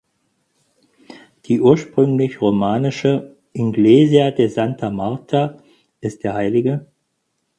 Die ursprünglich romanische "Iglesia de Santa Marta" ist der hl.